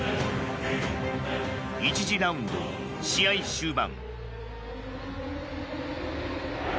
１次ラウンド試合終盤。